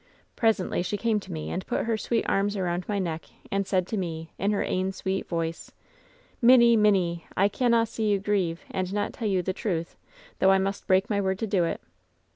"Presently she came to me and put her sweet arms around my neck, and said to me, in her ain sweet voice, ^Minnie, minnie, I canna see you grieve and not tell you the truth, though I must break my word to do it.